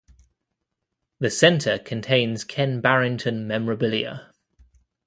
The centre contains Ken Barrington memorabilia.